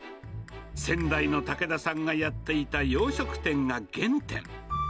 先代の武田さんがやっていた洋食店が原点。